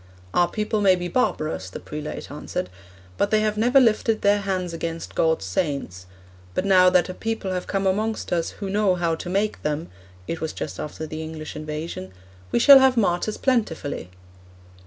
"Our people may be barbarous," the prelate answered, "but they have never lifted their hands against God's saints; but now that a people have come amongst us who know how to make them (it was just after the English invasion), we shall have martyrs plentifully."'